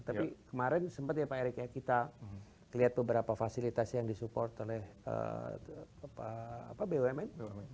tapi kemarin sempat ya pak erick ya kita lihat beberapa fasilitas yang disupport oleh bumn